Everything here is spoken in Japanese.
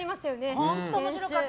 本当面白かった。